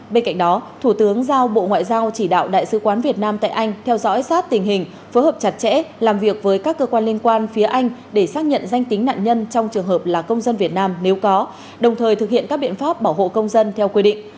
bên cạnh đó thủ tướng giao bộ ngoại giao chỉ đạo đại sứ quán việt nam tại anh theo dõi sát tình hình phối hợp chặt chẽ làm việc với các cơ quan liên quan phía anh để xác nhận danh tính nạn nhân trong trường hợp là công dân việt nam nếu có đồng thời thực hiện các biện pháp bảo hộ công dân theo quy định